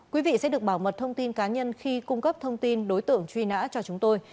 quý vị sẽ được bảo mật thông tin cá nhân khi cung cấp thông tin đối tượng truy nã cho chúng tôi